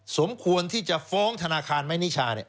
สมควรที่จะฟ้องธนาคารไหมนิชาเนี่ย